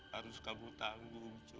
harus kamu tangguh cu